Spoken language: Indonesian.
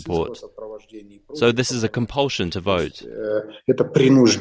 jadi ini adalah penyelidikan untuk memilih